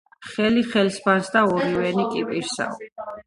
ხელი ხელს ბანს და ორივენი კი - პირსაო